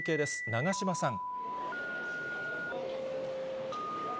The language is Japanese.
長島さん。